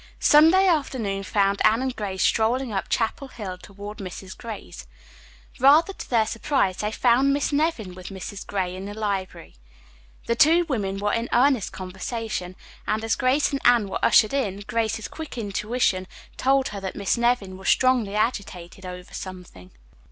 Sunday afternoon found Anne and Grace strolling up Chapel Hill toward Mrs. Gray's. Rather to their surprise they found Miss Nevin with Mrs. Gray in the library. The two women were in earnest conversation, and as Grace and Anne were ushered in, Grace's quick intuition told her that Miss Nevin was strongly agitated over something.